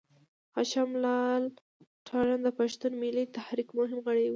هاشم لالا تارڼ د پښتون ملي تحريک مهم غړی و.